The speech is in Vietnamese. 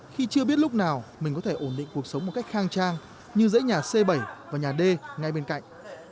khi chưa biết lúc nào mình có thể ổn định cuộc sống một cách khang trang như dãy nhà c bảy và nhà d ngay bên cạnh